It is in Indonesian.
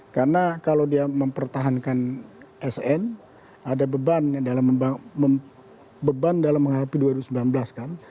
karena kalau dia mempertahankan sn ada beban dalam menghadapi dua ribu sembilan belas kan